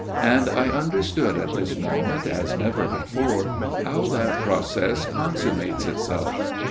And I understood at this moment, as never before, how that process consummates itself.